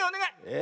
え？